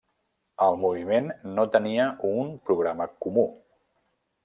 El moviment no tenia un programa comú.